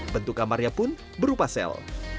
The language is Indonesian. bentuk kamarnya pun berupa sel